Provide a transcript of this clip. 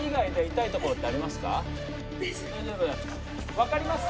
分かりますか？